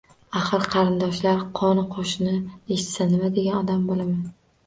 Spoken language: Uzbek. Axir, qarindoshlar, qo`ni-qo`shni eshitsa, nima degan odam bo`laman